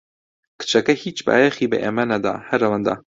کچەکە هیچ بایەخی بە ئێمە نەدا، هەر ئەوەندە.